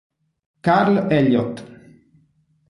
Carl Elliott